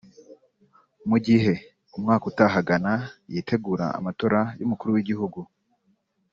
Mu gihe umwaka utaha Ghana yitegura amatora y’Umukuru w’Igihugu